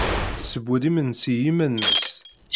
Tesseww-d imensi i yiman-nnes.